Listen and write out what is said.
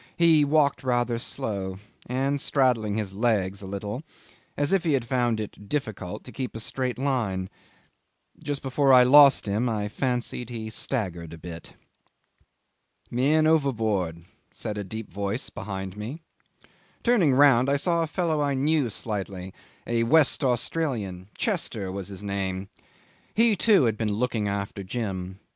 He walked rather slow, and straddling his legs a little, as if he had found it difficult to keep a straight line. Just before I lost him I fancied he staggered a bit. '"Man overboard," said a deep voice behind me. Turning round, I saw a fellow I knew slightly, a West Australian; Chester was his name. He, too, had been looking after Jim.